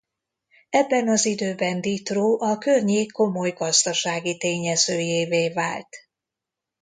Ebben az időben Ditró a környék komoly gazdasági tényezőjévé vált.